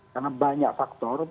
karena banyak faktor